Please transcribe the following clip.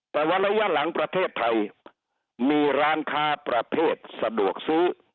แต่ว่าระยะหลังประเทศไทยมีร้านค้าประเภทสะดวกซื้อ